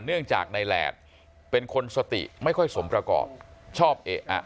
เนื่องจากในแหลดเป็นคนสติไม่ค่อยสมประกอบชอบเอะอะ